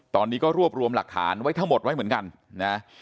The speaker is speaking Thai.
ตอนนี้ก็รวบรวมหลักฐานไว้ทั้งหมดไว้เหมือนกันนะ